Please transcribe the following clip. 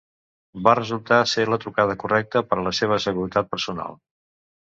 Va resultar ser la trucada correcta per a la seva seguretat personal.